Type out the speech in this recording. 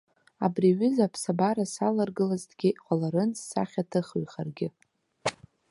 Абри аҩыза аԥсабара саларгылазҭгьы, иҟаларын ссахьаҭыхыҩхаргьы.